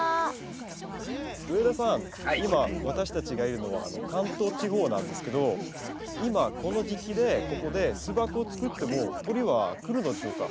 今私たちがいるのは関東地方なんですけど今この時期でここで巣箱を作っても鳥は来るのでしょうか？